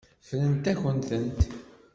Ffrent-akent-tent.